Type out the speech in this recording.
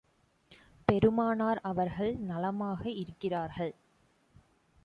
பெருமானார் அவர்கள் நலமாக இருக்கிறார்கள்.